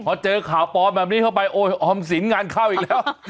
พอเจอข่าวปลอมแบบนี้เข้าไปโอ้ยออมสินงานเข้าอีกแล้ว